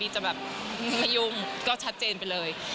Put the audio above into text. จะแบบไม่ยุ่งก็ชัดเจนไปเลย